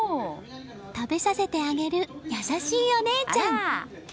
食べさせてあげる優しいお姉ちゃん。